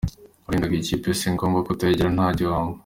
Rulindo ngo ikipe si ngombwa kutayigira nta gihombo.